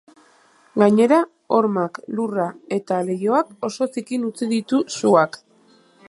Gainera, hormak, lurra eta leihoak oso zikin utzi ditu suak.